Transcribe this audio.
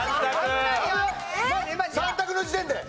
３択の時点で。